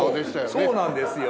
そうなんですよ。